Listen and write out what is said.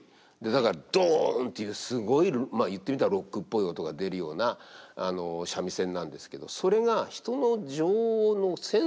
だからドンというすごいまあ言ってみたらロックっぽい音が出るような三味線なんですけど。